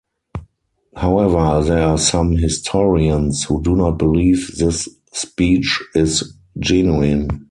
However, there are some historians who do not believe this speech is genuine.